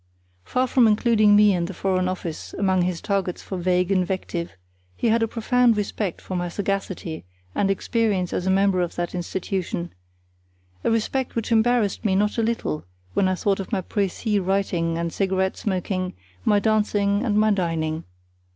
Far from including me and the Foreign Office among his targets for vague invective, he had a profound respect for my sagacity and experience as a member of that institution; a respect which embarrassed me not a little when I thought of my précis writing and cigarette smoking, my dancing, and my dining.